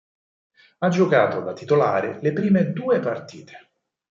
Ha giocato da titolare le prime due partite.